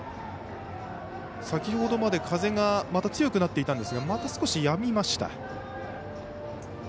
先ほどまで風が強くなっていたんですが少しやみました。